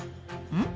うん？